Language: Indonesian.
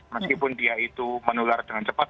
meskipun dia itu menular dengan cepat